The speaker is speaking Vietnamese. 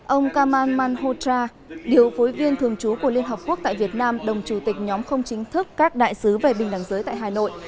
ông kamal manhotra điều phối viên thường trú của liên hợp quốc tại việt nam đồng chủ tịch nhóm không chính thức các đại sứ về bình đẳng giới tại hà nội